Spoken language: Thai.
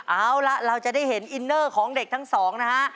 เอาล่ะเราจะได้เห็นอินเนอร์ของเด็กทั้งสองนะฮะ